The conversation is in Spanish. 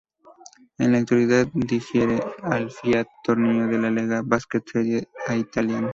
En la actualidad dirige al Fiat Torino de la Lega Basket Serie A italiana.